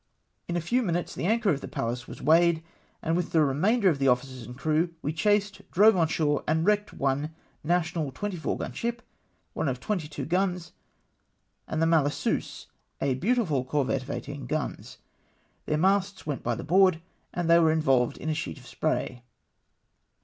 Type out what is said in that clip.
In a few minutes the anchor of the Pallas was weighed, and with the remainder of the officers and crew we chased, drove on shore, and wrecked one national 24 gun ship, one of 22 guns, and the Malicieuse, a beautiful corvette of 18 guns. Their masts went by the board, and they were involved in a sheet of spray.